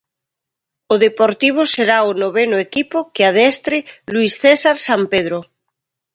O Deportivo será o noveno equipo que adestre Luís César Sampedro.